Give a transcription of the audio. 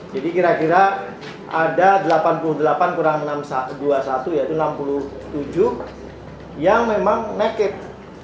jadi kira kira ada delapan puluh delapan kurang dua puluh satu yaitu enam puluh tujuh yang memang naked